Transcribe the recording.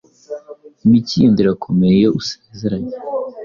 Imikindo irakomeye iyo usezeranye